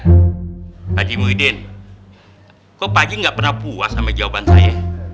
pak haji muhyiddin kok pak haji gak pernah puas sama jawaban saya